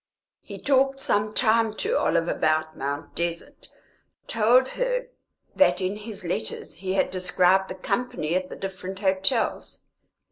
He talked some time to Olive about Mount Desert, told her that in his letters he had described the company at the different hotels.